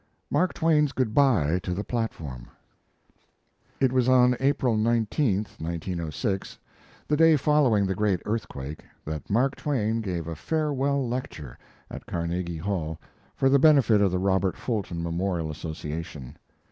MARK TWAIN'S GOOD BY TO THE PLATFORM It was on April 19, 1906, the day following the great earthquake, that Mark Twain gave a "Farewell Lecture" at Carnegie Hall for the benefit of the Robert Fulton Memorial Association.